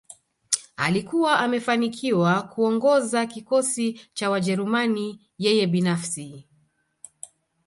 Alikuwa amefanikiwa kuongoza kikosi cha Wajerumani yeye binafsi